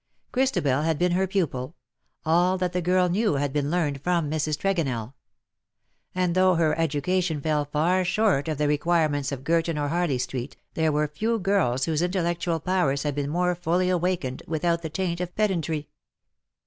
Christabel had been her pupil : all that the girl knew had been learned from Mrs. Tregonell ; and, though her education fell far short of the requirements of Girton or Harley Street, there were few girls whose intellectual powers had been more fully awakened, without the taint of pedantry.